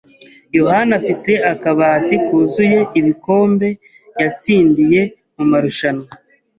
yohani afite akabati kuzuye ibikombe yatsindiye mumarushanwa.